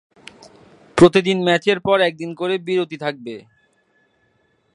প্রতিদিন ম্যাচের পর এক দিন করে বিরতি থাকবে।